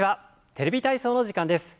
「テレビ体操」の時間です。